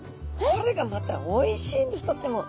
これがまたおいしいんですとっても。